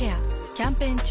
キャンペーン中。